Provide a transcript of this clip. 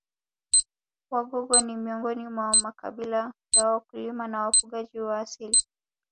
Wagogo ni miongoni mwa makabila ya wakulima na wafugaji kwa asili